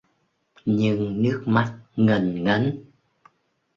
nhưng nước mắt ngần ngấn